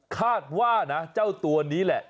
คาดว่านะเจ้าตัวนี้แหละ